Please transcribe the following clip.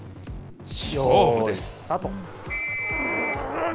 勝負です。